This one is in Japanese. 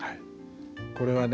これはね